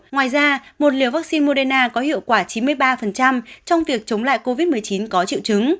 ngoài ra một liều vaccine moderna có hiệu quả chín mươi ba trong việc chống lại covid một mươi chín có triệu chứng